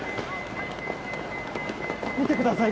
見てください